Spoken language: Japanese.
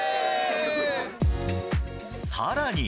さらに。